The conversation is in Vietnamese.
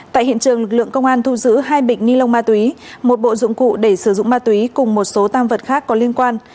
tại hiện trường lực lượng công an thu giữ hai bịch ni lông ma túy một bộ dụng cụ để sử dụng ma túy cùng một số tam vật khác có liên quan